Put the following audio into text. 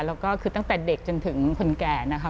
แล้วก็คือตั้งแต่เด็กจนถึงคนแก่นะคะ